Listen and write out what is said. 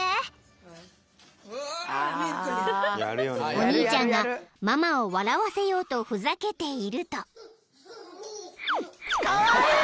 ［お兄ちゃんがママを笑わせようとふざけていると］